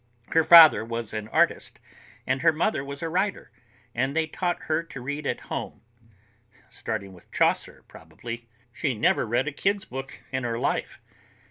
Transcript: Her father was an artist and her mother was a writer, and they taught her to read at home, starting with Chaucer, probably. She never read a kids' book in her life.